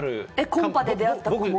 コンパで出会ったとしても？